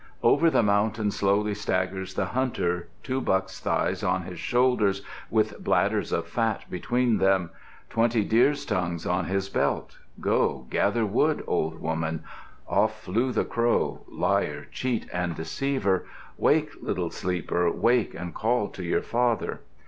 "Over the mountain slowly staggers the hunter. Two bucks' thighs on his shoulders, with bladders of fat between them. Twenty deer's tongues in his belt. Go, gather wood, old woman! Off flew the crow, liar, cheat, and deceiver! Wake, little sleeper, wake, and call to your father!